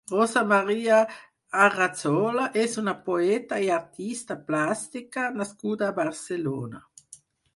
Rosa Maria Arrazola és una poeta i artista plàstica nascuda a Barcelona.